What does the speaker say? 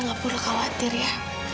kita gak perlu khawatir ya